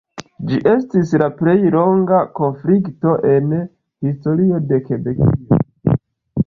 Ĝi estis la plej longa konflikto en historio de Kebekio.